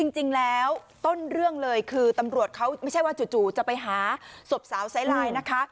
จริงแล้วต้นเรื่องเลยคือตำรวจเขาไม่ใช่ว่าจู่จะไปหาศพสาวไซไลน์นะคะ